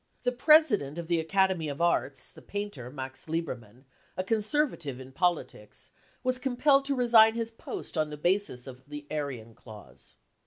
The president of the Academy of Arts, the painter Max Liehermann, a conservative in politics, was compiled to resign his post on the basis of the Aryan clause.